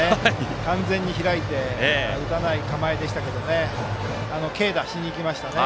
完全に開いて打たない構えでしたけど軽打しにいきました。